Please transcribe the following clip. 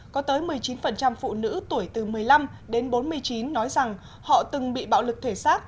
có tới một mươi chín phụ nữ tuổi từ một mươi năm đến bốn mươi chín nói rằng họ từng bị bạo lực thể xác